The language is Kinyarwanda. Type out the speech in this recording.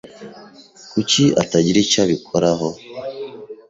Kuki atagira icyo abikoraho?